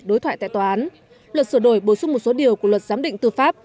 đối thoại tại tòa án luật sửa đổi bổ sung một số điều của luật giám định tư pháp